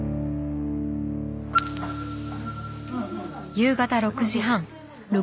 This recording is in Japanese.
夕方６時半。